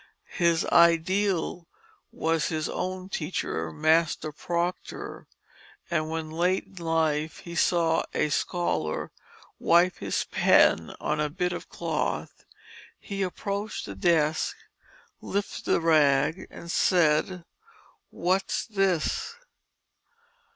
His ideal was his own teacher, Master Proctor, and when late in life he saw a scholar wipe his pen on a bit of cloth, he approached the desk, lifted the rag and said, "What's this?